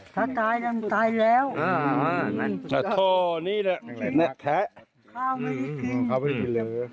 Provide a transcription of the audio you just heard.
ถ้าตายแล้วตายแล้วอ่านี่แหละแท้ข้าวไม่ได้กินข้าวไม่ได้กินเลย